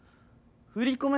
振り込め